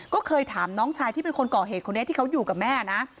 ก็เคยถามน้องชายที่เป็นคนก่อเหตุคนนี้ที่เขาอยู่กับแม่นะ